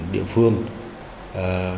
địa phương tỉnh tổ thôn làng